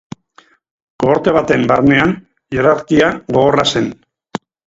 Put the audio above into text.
Kohorte baten barnean, hierarkia gogorra zen.